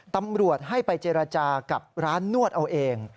ตำรวจให้ไปเจรจากับร้านนวดเอาเอง